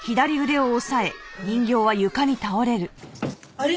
あれ？